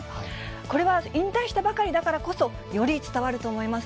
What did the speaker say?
これは引退したばかりだからこそ、より伝わると思います。